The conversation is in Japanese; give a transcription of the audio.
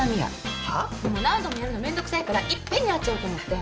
もう何度もやるのめんどくさいからいっぺんに会っちゃおうと思って。